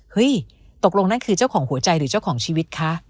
เฮ้ยตกลงนั่นคือเจ้าของหัวใจหรือเจ้าของชีวิตคะ